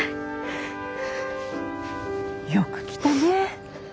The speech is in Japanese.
よく来たね。